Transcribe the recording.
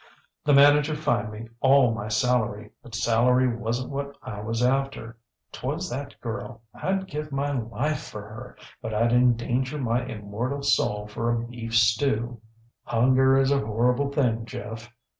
The manager fined me all my salary; but salary wasnŌĆÖt what I was after. ŌĆÖTwas that girl. IŌĆÖd give my life for her, but IŌĆÖd endanger my immortal soul for a beef stew. Hunger is a horrible thing, Jeff.